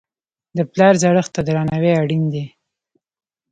د پلار زړښت ته درناوی اړین دی.